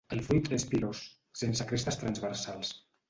El fruit és pilós, sense crestes transversals.